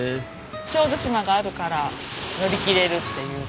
小豆島があるから乗り切れるっていうか。